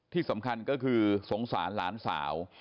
ที่สำคัญก็คือสงสารหลานสาว